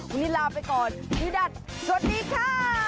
วันนี้ลาไปก่อนพี่ดัดสวัสดีค่ะ